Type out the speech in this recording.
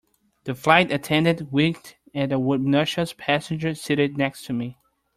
The flight attendant winked at the obnoxious passenger seated next to me.